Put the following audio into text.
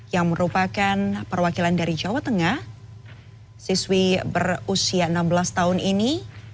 yang merupakan perwakilan dari jawa tengah siswi berusia enam belas tahun ini